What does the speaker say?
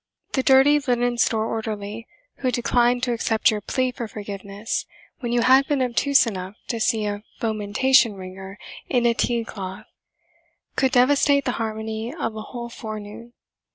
The Dirty Linen Store orderly who declined to accept your plea for forgiveness when you had been obtuse enough to see a fomentation wringer in a teacloth, could devastate the harmony of a whole forenoon.